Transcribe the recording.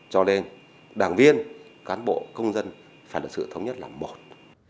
cho nên đảng viên cán bộ công dân phải được sự thống nhất là một